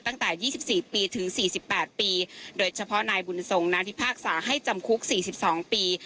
ตั้งแต่ยี่สิบสี่ปีถึงสี่สิบแปดปีโดยเฉพาะนายบุญทรงน่าพิพากษาให้จำคลุกสี่สิบสองปี